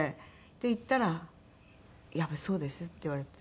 で行ったらやっぱりそうですって言われて。